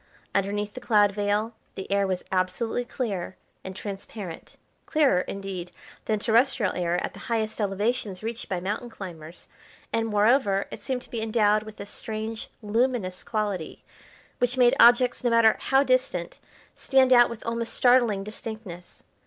Underneath the cloud veil the air was absolutely clear and transparent, clearer, indeed, than terrestrial air at the highest elevations reached by mountain climbers, and, moreover, it seemed to be endowed with a strange, luminous quality, which made objects, no matter how distant, stand out with almost startling distinctness.